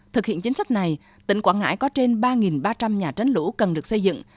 thực hiện chính sách này tỉnh quảng ngãi có trên ba ba trăm linh nhà tránh lũ cần được xây dựng